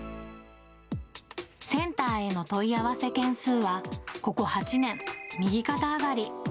センターへの問い合わせ件数は、ここ８年、右肩上がり。